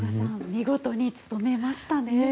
見事に務めましたね。